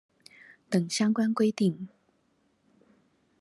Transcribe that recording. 等相關規定